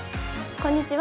こんにちは。